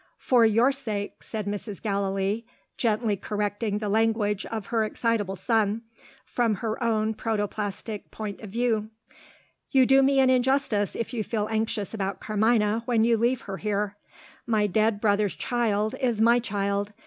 "For your sake," said Mrs. Gallilee, gently correcting the language of her excitable son, from her own protoplastic point of view. "You do me an injustice if you feel anxious about Carmina, when you leave her here. My dead brother's child, is my child.